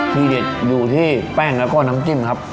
ที่เด็ดอยู่ที่แป้งแล้วก็น้ำจิ้มครับ